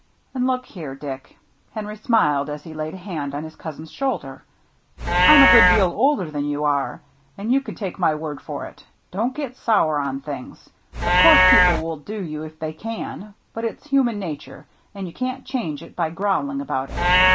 And look here, Dick," — Henry smiled as he laid a hand on his cousin's shoulder, — "I'm a good deal older than you are, and you can take my word for it. Don't get sour on things. Of course people will do you if they can ; but it's human nature, and you ' can't change it by growling about it..